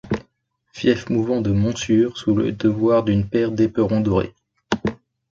Fief mouvant de Montsûrs, sous le devoir d'une paire d'éperons dorés.